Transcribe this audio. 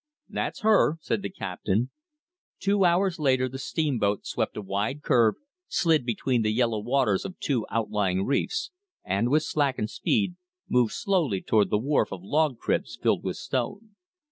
"That's her," said the captain. Two hours later the steamboat swept a wide curve, slid between the yellow waters of two outlying reefs, and, with slackened speed, moved slowly toward the wharf of log cribs filled with stone.